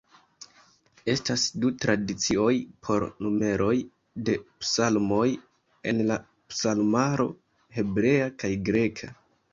Estas du tradicioj por numeroj de psalmoj en la psalmaro: hebrea kaj greka.